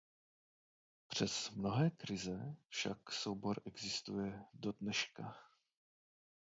Přes mnohé krize však soubor existuje do dneška.